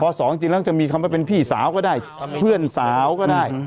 พอสองจริงแล้วจะมีคำว่าเป็นพี่สาวก็ได้เพื่อนสาวก็ได้